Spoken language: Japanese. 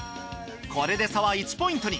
これで差は１ポイントに。